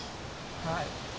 はい。